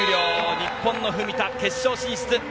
日本の文田、決勝進出。